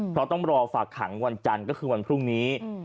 เพราะต้องรอฝากขังวันจันทร์ก็คือวันพรุ่งนี้